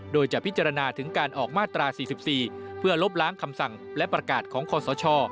โดยจะพิจารณาถึงการออกมาตรา๔๔เพื่อลบล้างคำสั่งและประกาศของคอสช